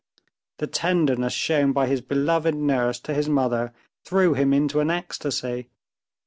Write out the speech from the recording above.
The tenderness shown by his beloved nurse to his mother threw him into an ecstasy.